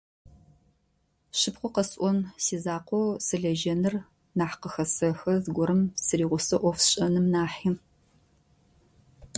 Шыпкъэу къэсӏон сизакъоу сылэжьэныр нахь къыхэсэхы зыгуэрэм сыригъусэу ӏоф сшӏэным нахьи.